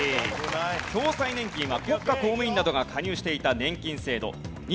共済年金は国家公務員などが加入していた年金制度。